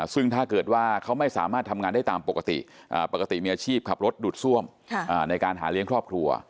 ซึ่งถ้าเกิดว่าเขาไม่สามารถทำงานได้ตามปกติปกติมีอาชีพขับรถดูดซ่วมในการหาเลี้ยงครอบครัว